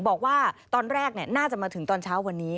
บอกว่าตอนแรกน่าจะมาถึงตอนเช้าวันนี้